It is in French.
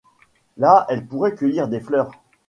Là elle pourrait cueillir des fleurs.